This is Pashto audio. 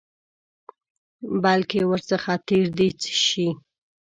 بلکې ورڅخه تېر دي شي.